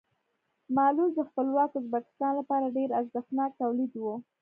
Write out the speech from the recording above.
مالوچ د خپلواک ازبکستان لپاره ډېر ارزښتناک تولید و.